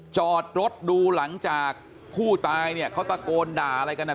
จอดรถดูหลังจากผู้ตายเนี่ยเขาตะโกนด่าอะไรกันอ่ะ